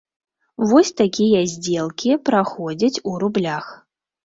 Вось такія здзелкі праходзяць у рублях.